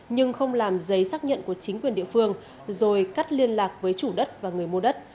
nhưng không làm giấy xác nhận của chính quyền địa phương rồi cắt liên lạc với chủ đất và người mua đất